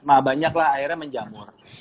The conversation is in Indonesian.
nah banyak lah akhirnya menjamur